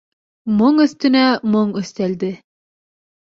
Моң өҫтөнә моң өҫтәлде.